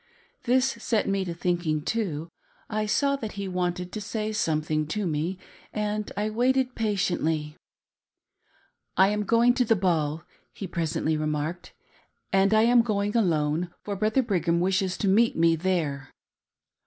BROUGHT HOME TO ME. 427 This set me thinking, too, I saw that he wanted to say some thing to me, and I waited patiently. " I am going to the ball," he presently remarked, " and I am going alone, for Brother Brigham wishes me to meet him there."